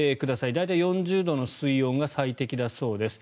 大体４０度の水温が最適だそうです。